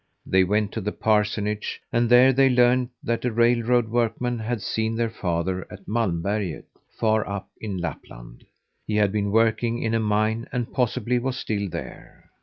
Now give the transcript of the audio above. They went to the parsonage and there they learned that a railroad workman had seen their father at Malmberget, far up in Lapland. He had been working in a mine and possibly was still there.